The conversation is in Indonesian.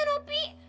kasian kan opi